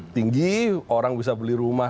tinggi orang bisa beli rumah